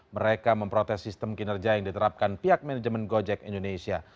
mereka memprotes sistem kinerja yang diterapkan pihak manajemen gojek indonesia